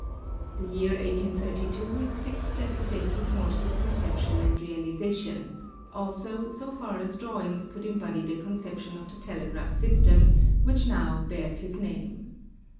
The year 1832 is fixed as the date of Morse's conception and realization, also, so far as drawings could embody the conception of the telegraph system; which now bears his name.